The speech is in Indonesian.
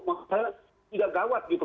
masalahnya tidak gawat gitu